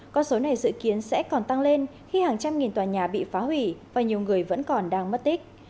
con số này dự kiến sẽ còn tăng lên khi hàng trăm nghìn tòa nhà bị phá hủy và nhiều người vẫn còn đang mất tích